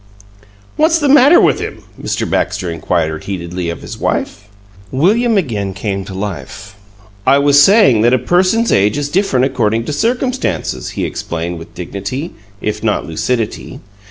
"What's the matter with him?" Mr. Baxter inquired, heatedly, of his wife. William again came to life. "I was saying that a person's age is different according to circumstances," he explained, with dignity, if not lucidity.